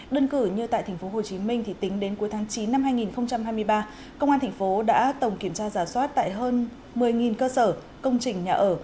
đơn cử như tại tp hcm thì tính đến cuối tháng chín năm hai nghìn hai mươi ba công an thành phố đã tổng kiểm tra giả soát tại hơn một mươi cơ sở công trình nhà ở